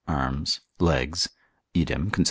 arms, legs. Idem consil.